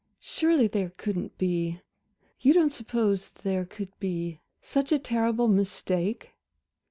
"Surely there couldn't be you don't suppose there could be such a terrible mistake?"